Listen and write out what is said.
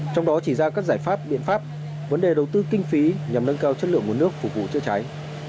trong đó chỉ ra các giải pháp biện pháp vấn đề đầu tư kinh phí nhằm nâng cao chất lượng nguồn nước phục vụ chữa cháy